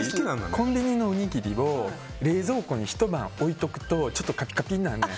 コンビニのおにぎりを冷蔵庫に一晩置いておくとちょっとカピカピになるねん。